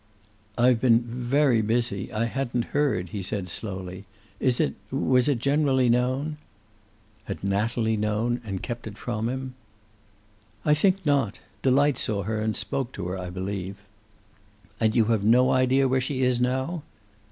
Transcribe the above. "I've been very busy. I hadn't heard," he said, slowly. "Is it was it generally known?" Had Natalie known, and kept it from him? "I think not. Delight saw her and spoke to her, I believe." "And you have no idea where she is now."